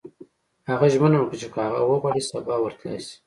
هغه ژمنه وکړه چې که هغه وغواړي سبا ورتلای شي